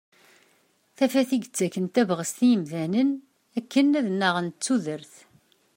Tafat i yettakken tabɣest i yimdanen akken ad nnaɣen d tudert.